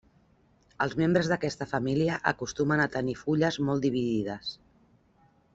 Els membres d'aquesta família acostumen a tenir fulles molt dividides.